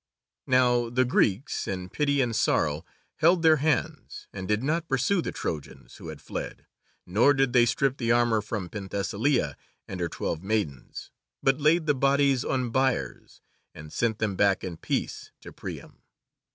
Now the Greeks, in pity and sorrow, held their hands, and did not pursue the Trojans who had fled, nor did they strip the armour from Penthesilea and her twelve maidens, but laid the bodies on biers, and sent them back in peace to Priam.